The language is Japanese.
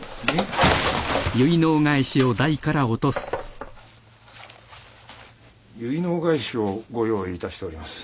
結納返しをご用意いたしております。